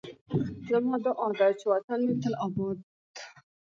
زما دعا ده چې وطن مې تل اباد